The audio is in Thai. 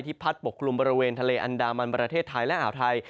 พัดปกคลุมบริเวณทะเลอันดามันประเทศไทยและอ่าวไทย